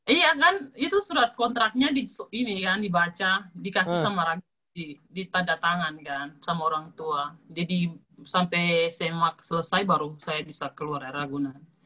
iya kan itu surat kontraknya ini kan dibaca dikasih sama ragu ditanda tangan kan sama orang tua jadi sampai semak selesai baru saya bisa keluar ragunan